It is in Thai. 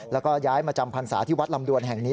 แล้วก็ย้ายมาจำพรรษาที่วัดลำดวนแห่งนี้